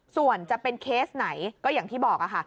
ส่วนจะเป็นเคสไหนก็อย่างที่บอกค่ะ